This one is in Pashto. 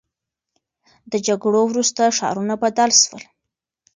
د جګړو وروسته ښارونه بدل سول.